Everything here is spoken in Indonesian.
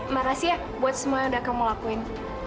makasih ya buat semua yang udah kamu lakuin